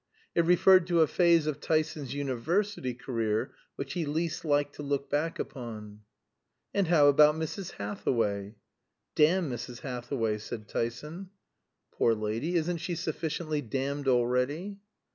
It referred to a phase of Tyson's university career which he least liked to look back upon. "And how about Mrs. Hathaway?" "Damn Mrs. Hathaway," said Tyson. "Poor lady, isn't she sufficiently damned already?"